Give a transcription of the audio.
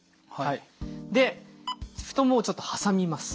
で太ももをちょっと挟みます。